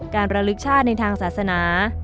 ระลึกชาติในทางศาสนา